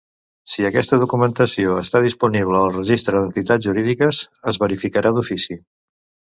Si aquesta documentació està disponible al Registre d'Entitats Jurídiques, es verificarà d'ofici.